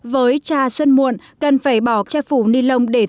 với trà xuân muộn cần phải bỏ che phủ ni lông để